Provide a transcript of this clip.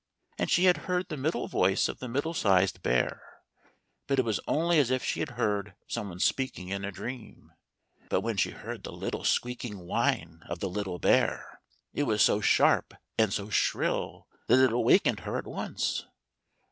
And she had heard the middle voice of the middle sized bear, but it was only as if she had heard some one speaking in a dream. But when she heard the little, squeaking whine of the little bear, it was so sharp, and so shrill, that it awakened her at once.